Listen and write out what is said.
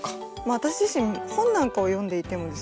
私自身本なんかを読んでいてもですね